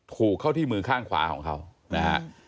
ถูกเข้าที่มือข้างขวาของเขานะฮะ